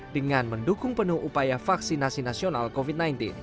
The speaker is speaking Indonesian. dengan mendukung penuh upaya vaksinasi nasional covid sembilan belas